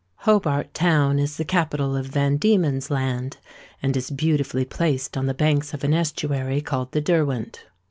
"Hobart Town is the capital of Van Diemen's Land, and is beautifully placed on the banks of an estuary called the Derwent.